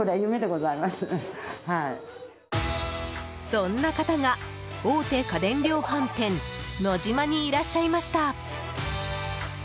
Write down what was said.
そんな方が大手家電量販店ノジマにいらっしゃいました。